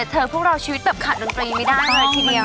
เธอพวกเราชีวิตแบบขาดดนตรีไม่ได้